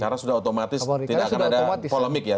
karena sudah otomatis tidak akan ada polemik ya